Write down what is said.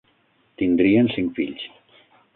Tindrien cinc fills.